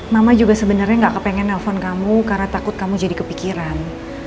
mama juga sebenarnya gak kepengen nelfon kamu karena takut kamu jadi kepikiran